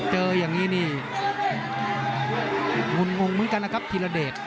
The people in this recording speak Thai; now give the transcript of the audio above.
เจออย่างนี้นี่งุ่นงงเหมือนกันนะครับธีรเดช